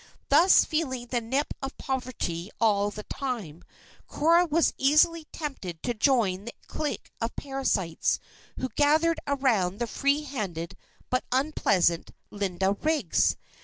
Thus feeling the nip of poverty all the time, Cora was easily tempted to join the clique of parasites who gathered around the free handed, but unpleasant, Linda Riggs.